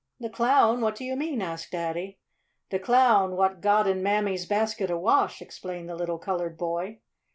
"The Clown? What do you mean?" asked Daddy. "De Clown what got in Mammy's basket of wash," explained the little colored boy.